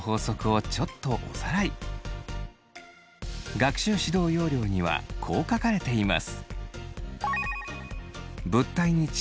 学習指導要領にはこう書かれています。